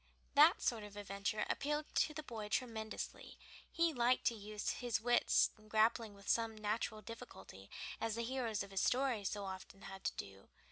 That sort of adventure appealed to the boy tremendously; he liked to try to use his wits in grappling with some natural difficulty, as the heroes of his stories so often had to do.